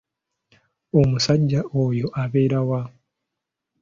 Omusajja oyoabeera wa?